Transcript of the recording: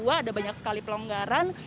ada banyak sekali pelonggaran